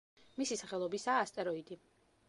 მისი სახელობისაა ასტეროიდი.